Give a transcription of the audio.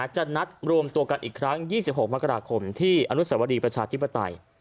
จะนัดรวมตัวกันอีกครั้ง๒๖มกราคมที่อนุสวรีประชาธิปไตย